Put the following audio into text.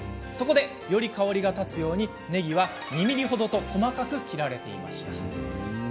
より香りが立つようねぎは２ｍｍ程と細かく切られています。